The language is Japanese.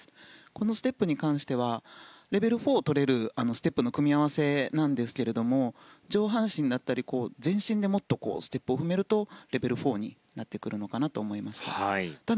このステップに関してはレベル４をとれるステップの組み合わせなんですが上半身だったり全身でステップを踏めるとレベル４になってくるのかなと感じました。